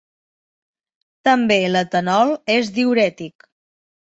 També l'etanol és diürètic.